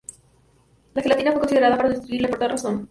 La gelatina fue considerada para sustituirle por tal razón.